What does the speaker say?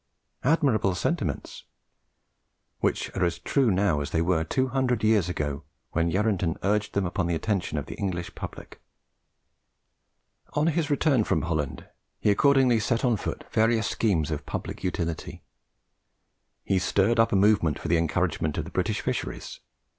Admirable sentiments, which are as true now as they were two hundred years ago, when Yarranton urged them upon the attention of the English public. On his return from Holland, he accordingly set on foot various schemes of public utility. He stirred up a movement for the encouragement of the British fisheries.